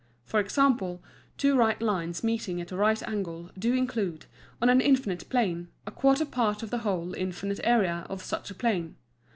For Example, two right Lines meeting at a right Angle do include, on an infinite Plane, a quarter part of the whole infinite Area of such a Plane.